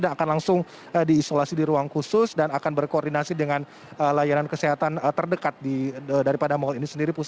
dan akan langsung diisolasi di ruang khusus dan akan berkoordinasi dengan layanan kesehatan terdekat daripada mal ini sendiri